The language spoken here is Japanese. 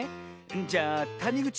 じゃあたにぐち